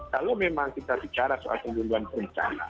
kalau memang kita bicara soal penyumbuhan perencana